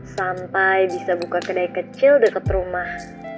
sampai bisa buka kedai kecil dekat rumah